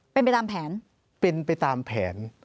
เป็นไปตามแผนเป็นไปตามแผน